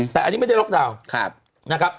แต่อันนี้ไม่ได้ล็อกดาวน์